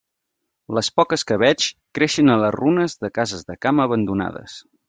Les poques que veig creixen a les runes de cases de camp abandonades.